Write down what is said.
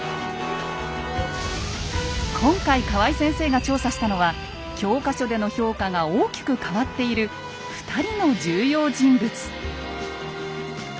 今回河合先生が調査したのは教科書での評価が大きく変わっている２人の重要人物。